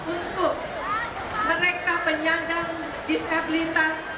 untuk mereka penyandang disabilitas